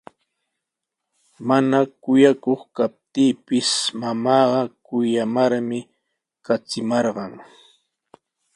Mana kuyakuq kaptiipis mamaaqa kuyamarmi traskimarqan.